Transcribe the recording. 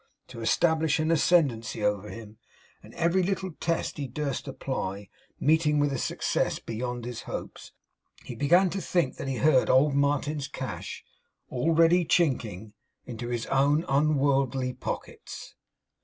to establish an ascendancy over him; and every little test he durst apply meeting with a success beyond his hopes, he began to think he heard old Martin's cash already chinking in his own unworldly pockets.